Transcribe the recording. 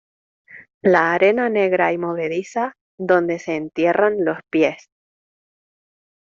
la arena negra y movediza donde se entierran los pies ;